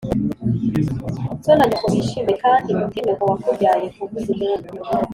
so na nyoko bishime, kandi utere nyoko wakubyaye kuvuza impundu